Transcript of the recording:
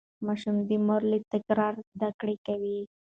ماشوم د مور له تکرار زده کړه کوي.